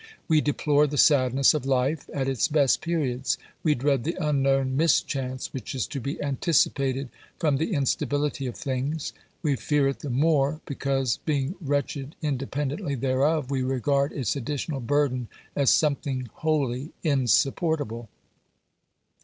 We deplore the sadness of life at its best periods ; we dread the unknown mis chance which is to be anticipated from the instability of things; we fear it the more because, being wretched in dependently thereof, we regard its additional burden as something wholly insupportable.